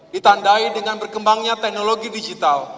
ditandai dengan berkembangnya teknologi digital